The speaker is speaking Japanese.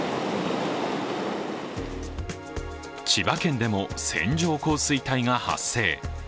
千葉県でも線状降水帯が発生。